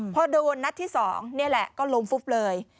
พอโดนนัดที่๒นี่แหละก็ล้มฟุบเลย